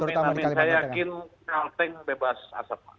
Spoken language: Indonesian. saya yakin kalimantan bebas asap